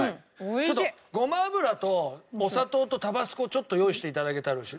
ちょっとごま油とお砂糖とタバスコをちょっと用意して頂けたら嬉しい。